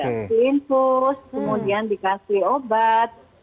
diinfus kemudian dikasih obat